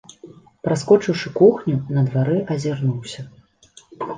Праскочыўшы кухню, на двары азірнуўся.